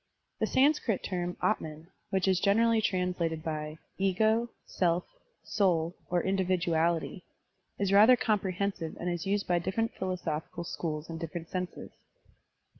The Sanskrit term, Atman, which is generally translated by "ego," "self,'* "soul," or "individuality," is rather comprehensive and is used by different philo sophical schools in different senses.